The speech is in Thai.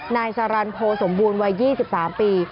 นายสารันโพสมบูรณ์วัย๒๓ปี